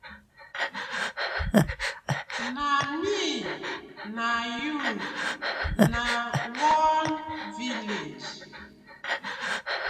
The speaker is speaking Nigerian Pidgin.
Na mi na yu na one village.